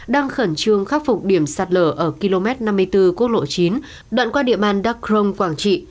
đang khẩn trương khắc phục điểm sạt lở ở km năm mươi bốn quốc lộ chín đoạn qua địa măn đắc crong quảng trị